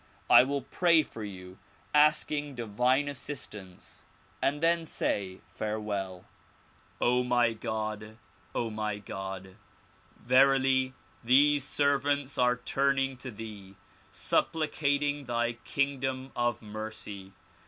I will pray for you asking divine assistance and then say farewell. O my God! my God! verily these servants are turning to thee, supplicating thy kingdom of mercy.